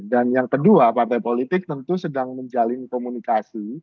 dan yang kedua partai politik tentu sedang menjalin komunikasi